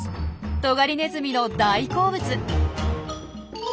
トガリネズミの大好物。